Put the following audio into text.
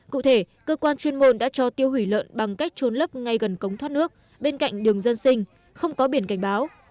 cụ thể cơ quan chuyên môn đã cho tiêu hủy lợn bằng cách trôn lấp ngay gần cống thoát nước bên cạnh đường dân sinh không có biển cảnh báo